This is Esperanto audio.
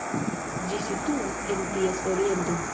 Ĝi situas en ties oriento.